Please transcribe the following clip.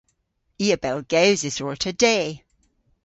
I a bellgewsis orta de.